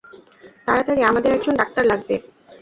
তাড়াতাড়ি, আমাদের একজন ডাক্তার লাগবে!